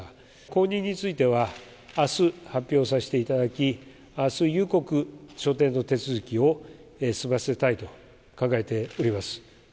後任については、あす発表させていただき、あす夕刻、所定の手続きを済ませたいと考えております。